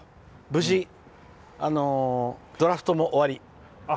無事、ドラフトも終わり